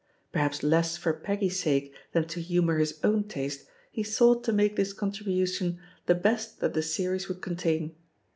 Perhaps less for Peggy's sake than to humour his own taste, he sought to make this contribution the best that the series would con tain.